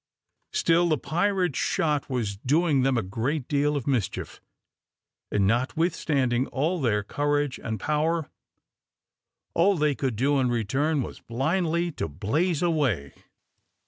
Still the pirate's shot was doing them a great deal of mischief, and, notwithstanding all their courage and power, all they could do in return was blindly to blaze away.